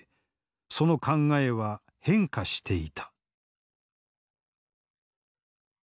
その考えは変化していた。